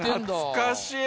懐かしい。